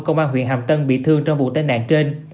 công an huyện hàm tân bị thương trong vụ tai nạn trên